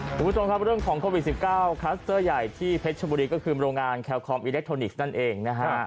คุณผู้ชมครับเรื่องของโควิด๑๙คลัสเตอร์ใหญ่ที่เพชรชบุรีก็คือโรงงานแคลคอมอิเล็กทรอนิกส์นั่นเองนะฮะ